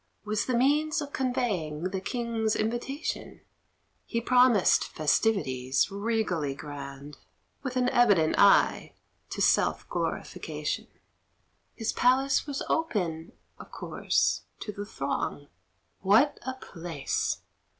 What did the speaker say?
Was the means of conveying the King's invitation He promised festivities regally grand (With an evident eye to self glorification). His palace was open, of course, to the throng; What a place!